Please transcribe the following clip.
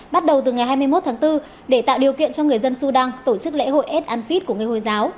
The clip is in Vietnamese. bắt đầu từ ngày hai mươi một tháng bốn để tạo điều kiện cho người dân sudan tổ chức lễ hội ed anfid của người hồi giáo